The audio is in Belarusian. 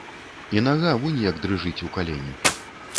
І нага вунь як дрыжыць у калене.